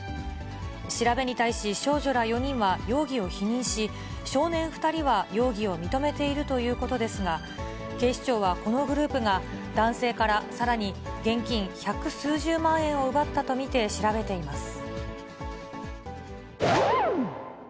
調べに対し、少女ら４人は容疑を否認し、少年２人は容疑を認めているということですが、警視庁はこのグループが男性からさらに現金百数十万円を奪ったと見て、調べています。